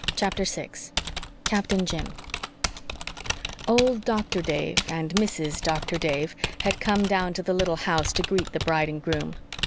CHAPTER 6 CAPTAIN JIM "Old Doctor Dave" and "Mrs. Doctor Dave" had come down to the little house to greet the bride and groom.